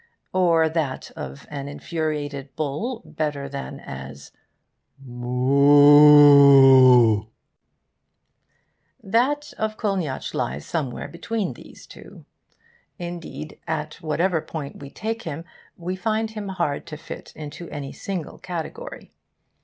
Or that of an infuriated bull better than as Moo? That of Kolniyatsch lies somewhere between these two. Indeed, at whatever point we take him, we find him hard to fit into any single category.